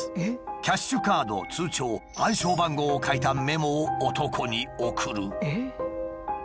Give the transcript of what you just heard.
キャッシュカード通帳暗証番号を書いたメモを男に送る。